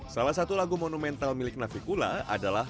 salah satu lagu monumental milik navik kula adalah